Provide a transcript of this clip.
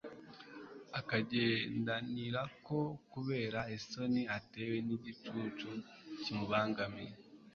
akagendanirako kubera isoni atewe n'igicucu kimubangamiye